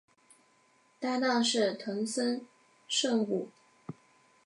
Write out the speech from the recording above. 搭挡是藤森慎吾。